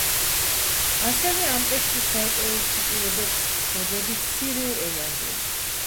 ასევე, ამ ტექსტის გარკვეულ ციტირებებს ვხვდებით სირიულ ენაზე.